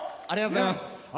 ありがとうございます。